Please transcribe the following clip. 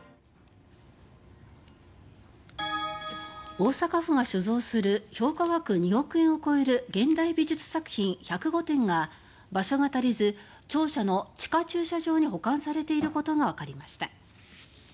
大阪府が所蔵する評価額２億円を超える現代美術作品１０５点が保管場所が足りず庁舎の地下駐車場に置かれていることがわかりました。